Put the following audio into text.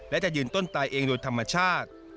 และจะยืนต้นตายเองโดยธรรมชาติ